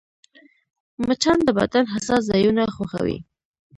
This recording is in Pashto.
مچان د بدن حساس ځایونه خوښوي